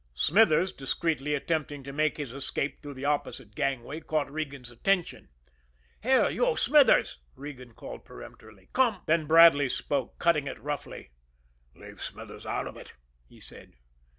Smithers, discreetly attempting to make his escape through the opposite gangway, caught Regan's attention. "Here, you, Smithers," Regan called peremptorily, "come " Then Bradley spoke, cutting in roughly. "Leave Smithers out of it," he said.